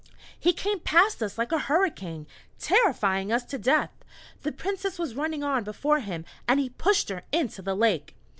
"He came past us like a hurricane, terrifying us to death! The Princess was running on before him, and he pushed her into the lake."